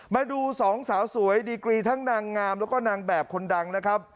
มาดูสองสาวสวยดีกรีทั้งนางงามแล้วก็นางแบบคนดังนะครับ